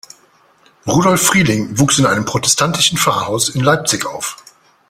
Rudolf Frieling wuchs in einem protestantischen Pfarrhaus in Leipzig auf.